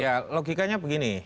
ya logikanya begini